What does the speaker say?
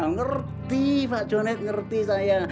ngerti pak jonet ngerti saya